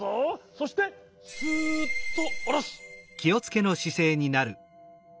そしてスーッとおろす。